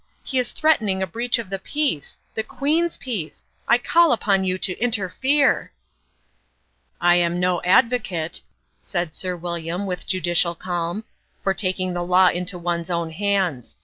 He is threatening a breach of the Peace the Queen's Peace ! I call upon you to interfere !" 12 178 " I am no advocate," said Sir William, with judicial calm, " for taking the law into one's own hands.